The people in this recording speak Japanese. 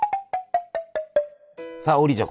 さあ王林ちゃん